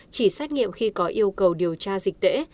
chỉ xét nghiệm khi có yêu cầu điều tra dịch tễ